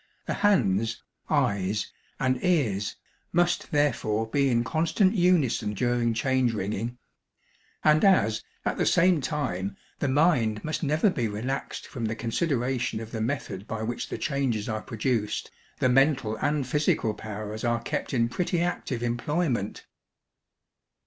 The hands, eyes, and ears must therefore be in constant unison during change ringing; and as at the same time the mind must never be relaxed from the consideration of the 'method by which the changes are produced,' the mental and physical powers are kept in pretty active employment.